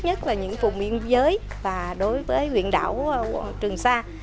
nhất là những vùng biên giới và đối với huyện đảo trường sa